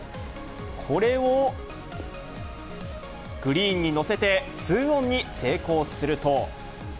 これをグリーンに載せて２オンに成功すると。